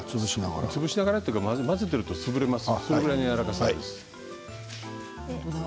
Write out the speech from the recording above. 潰しながらというか混ぜていくと潰れます。